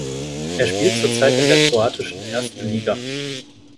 Er spielt zurzeit in der kroatischen ersten Liga.